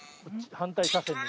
反対車線が。